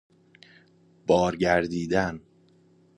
بار گردیدن